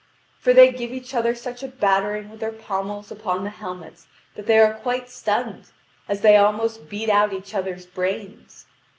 For they give each other such a battering with their pommels upon the helmets that they are quite stunned, as they almost beat out each other's brains.